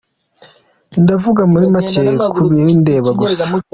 Ndavuga muri make ku bindeba gusa.